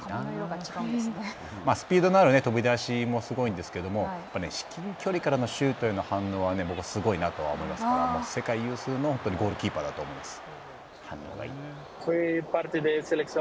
スピードのある飛び出しもすごいんですけど至近距離でのシュートへの反応は僕はすごいなとは思いますから世界有数のゴールキーパーだと思います。